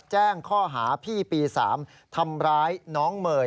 แจ้งข้อหาพี่ปี๓ทำร้ายน้องเมย์